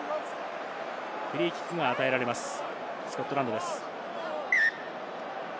フリーキックが与えられます、スコットランドです。